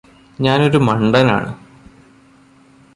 ഞാനൊരു മണ്ടനാണ്